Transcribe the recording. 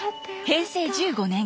平成１５年